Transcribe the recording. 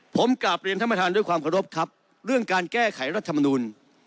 ผมกลับเรียนท่านประธานด้วยความเคารพครับเรื่องการแก้ไขรัฐมนูล